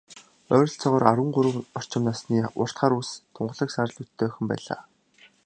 Ойролцоогоор арван гурав орчим насны, урт хар үс, тунгалаг саарал нүдтэй охин байлаа.